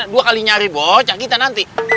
dua kali nyari bocah kita nanti